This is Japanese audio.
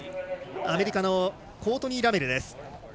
アメリカのコートニー・ラメル。